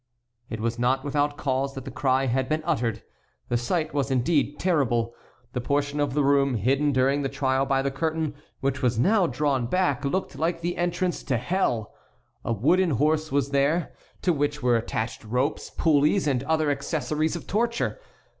It was not without cause that the cry had been uttered. The sight was indeed terrible. The portion of the room hidden during the trial by the curtain, which was now drawn back, looked like the entrance to hell. A wooden horse was there, to which were attached ropes, pulleys, and other accessories of torture.